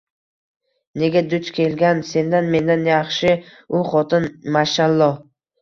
Nega duch kelgan? Sendan, mendan yaxshi u xotin, mashaAlloh.